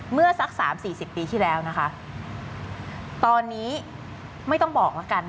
เมื่อสักสามสี่สิบปีที่แล้วนะคะตอนนี้ไม่ต้องบอกแล้วกัน